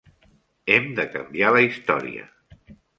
Hem de canviar la història.